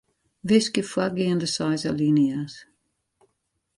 Wiskje foargeande seis alinea's.